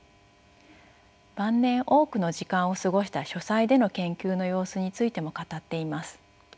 晩年多くの時間を過ごした書斎での研究の様子についても語っています。